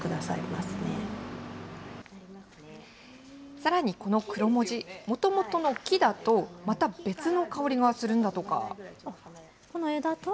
さらにこのクロモジ、もともとの木だと、また別の香りがするんだとか。